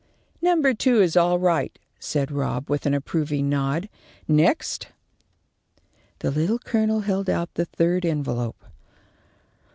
"Number two is all right," said Rob, with an approving nod. "Next!" The Little Colonel held out the third envelope.